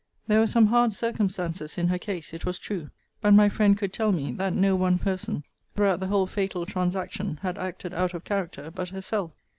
There were some hard circumstances in her case, it was true: but my friend could tell me, that no one person, throughout the whole fatal transaction, had acted out of character, but herself.